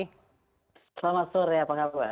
selamat sore pak kapol